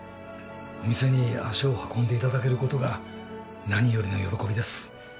お店に足を運んでいただけることが何よりの喜びです